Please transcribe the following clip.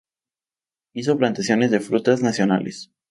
Hizo plantaciones de frutas nacionales.